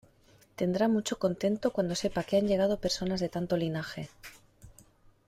tendrá mucho contento cuando sepa que han llegado personas de tanto linaje: